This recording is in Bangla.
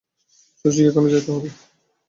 শশীকে এখনি যাইতে হইবে।